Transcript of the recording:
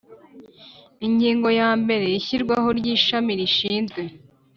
Ingingo ya mbere Ishyirwaho ry Ishami Rishinzwe